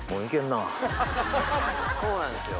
そうなんですよ。